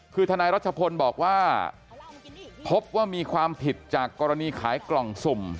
คือทนายรัชพลบอกว่าพบว่ามีความผิดจากกรณีขายกล่องสุ่ม